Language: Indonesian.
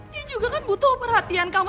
dia juga kan butuh perhatian kamu